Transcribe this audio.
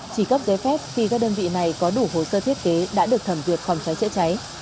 chỉ cấp giấy phép khi các đơn vị này có đủ hồ sơ thiết kế đã được thẩm duyệt phòng cháy chữa cháy